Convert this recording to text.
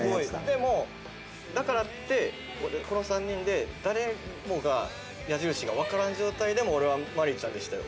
でもだからってこの３人で誰もが矢印がわからん状態でも俺はマリーちゃんでしたよ